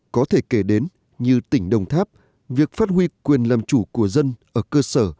có thể kể đến như tỉnh đồng tháp việc phát huy quyền làm chủ của dân ở cơ sở